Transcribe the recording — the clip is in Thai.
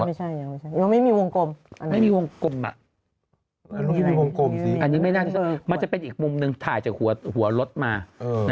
ไม่ใช่มีวงกลมมันจะเป็นมุมหนึ่งถ่ายจากหัวหัวรถมานะ